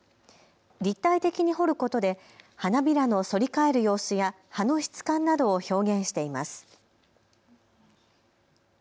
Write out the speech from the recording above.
立体的に掘ることで花びらの反り返る様子や葉の質感などを表現しています。